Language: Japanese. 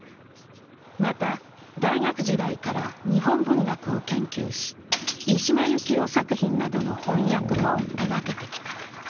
また、大学時代から日本文学を研究し、三島由紀夫作品などの翻訳も手がけてきた。